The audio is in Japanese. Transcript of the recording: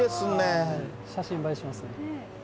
写真映えしますね。